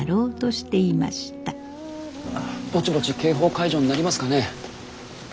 ぼちぼち警報解除になりますかね？